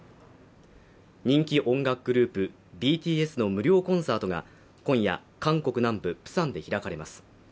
人気音楽グループＢＴＳの無料コンサートが今夜韓国南部プサンで開かれます